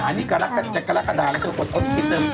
อันนี้จะกะลักษมณ์นั้นคือขนต้น